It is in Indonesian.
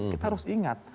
kita harus ingat